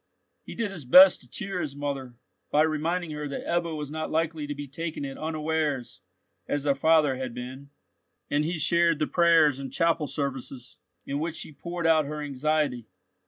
He did his best to cheer his mother, by reminding her that Ebbo was not likely to be taken at unawares as their father had been; and he shared the prayers and chapel services, in which she poured out her anxiety.